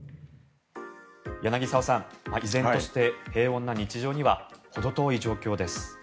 柳澤さん、依然として平穏な日常にはほど遠い状況です。